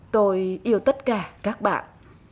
tôi yêu tất cả các bạn